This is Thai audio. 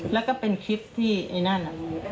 แล้วก็เป็นคลิปที่ไอ้นั่นน่ะ